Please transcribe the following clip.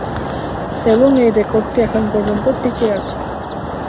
এবং এই রেকর্ডটি এখন পর্যন্ত টিকে আছে।